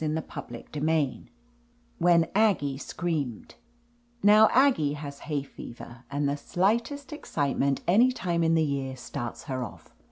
CHAPTER y WHEN AGGIE SCREAMED NOW Aggie has hay fever, and the slight est excitement, any time in the year, starts her off.